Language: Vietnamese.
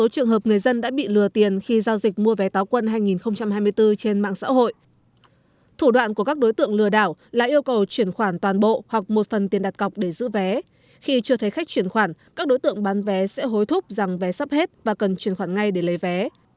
chưa thấy khách chuyển khoản các đối tượng bán vé sẽ hối thúc rằng vé sắp hết và cần chuyển khoản ngay để lấy vé